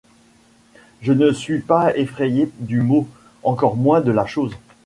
Je ne suis pas effrayé du mot, encore moins de la chose.